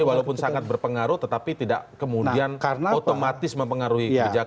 jadi walaupun sangat berpengaruh tetapi tidak kemudian otomatis mempengaruhi kebijakan